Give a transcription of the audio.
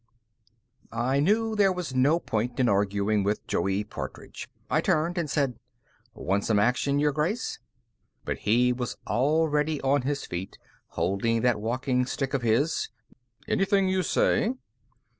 I knew there was no point in arguing with Joey Partridge. I turned and said: "Want some action, Your Grace?" But he was already on his feet, holding that walking stick of his. "Anything you say."